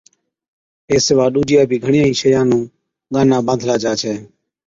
اي سِوا ڏُوجِيا بِي گھڻيان شيان نُون ڳانا ٻانڌلا جا ڇَي